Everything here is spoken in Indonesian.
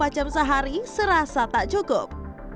dua puluh empat jam sehari serasa tak cukup